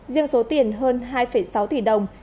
riêng số tiền hơn hai sáu tỷ đồng